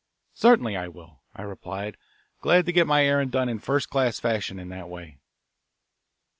"Certainly I will," I replied, glad to get my errand done in first class fashion in that way.